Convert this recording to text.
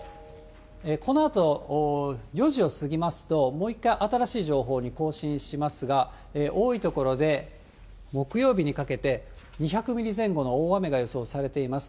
このあと４時を過ぎますと、もう一回新しい情報に更新しますが、多い所で、木曜日にかけて、２００ミリ前後の大雨が予想されています。